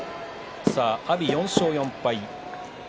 阿炎４勝４敗